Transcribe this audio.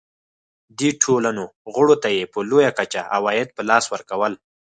دې ټولنو غړو ته یې په لویه کچه عواید په لاس ورکول.